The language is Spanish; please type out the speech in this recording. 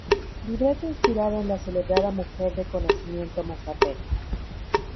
Libreto inspirado en la celebrada mujer de conocimiento "mazateca".